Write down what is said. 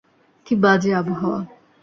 কী বাজে আবহাওয়া!